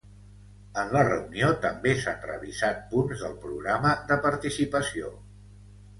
En la reunió també s’han revisat punts del programa de participació.